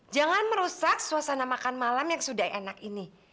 jangan merusak suasana makan malam yang sudah enak ini